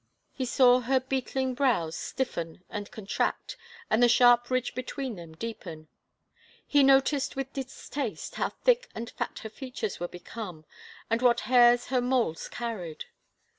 He saw her beetling brows stiffen and contract and the sharp ridge between them deepen. He noticed with distaste how thick and fat her features were become and what hairs her moles carried.